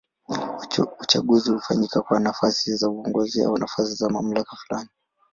Uchaguzi hufanyika kwa nafasi za uongozi au nafasi za mamlaka fulani.